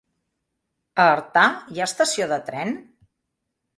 A Artà hi ha estació de tren?